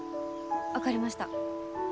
分かりました。